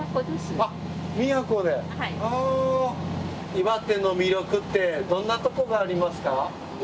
岩手の魅力ってどんなとこがありますか？